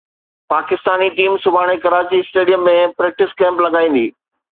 Pakistani team سڀاڻي Karachi stadium ۾ practice camp لڳائيندي